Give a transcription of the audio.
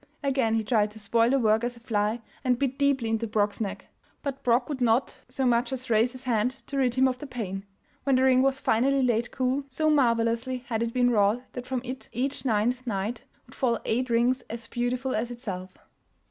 Again he tried to spoil the work as a fly, and bit deeply into Brok's neck, but Brok would not so much as raise his hand to rid him of the pain. When the ring was finally laid to cool, so marvelously had it been wrought that from it each ninth night would fall eight rings as beautiful as itself.